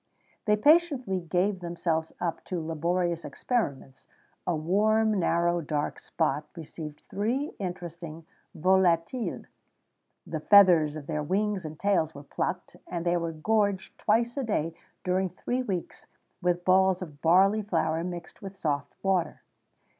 They patiently gave themselves up to laborious experiments: a warm, narrow, dark spot received these interesting volatiles; the feathers of their wings and tails were plucked, and they were gorged twice a day during three weeks with balls of barley flour mixed with soft water.